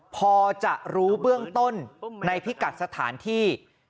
พอจะรู้เบื้องต้นในพิกัดสถานที่